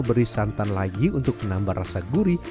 beri santan lagi untuk menambah rasa gurih